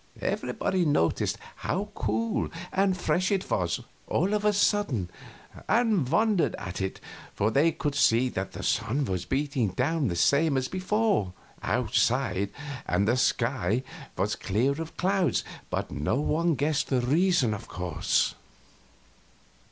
Everybody noticed how cool and fresh it was, all of a sudden, and wondered at it, for they could see that the sun was beating down the same as before, outside, and the sky was clear of clouds, but no one guessed the reason, of course.